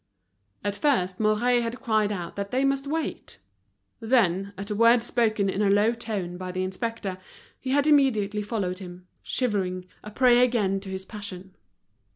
At first Mouret had cried out that they must wait; then, at a word spoken in a low tone by the inspector, he had immediately followed him, shivering, a prey again to his passion.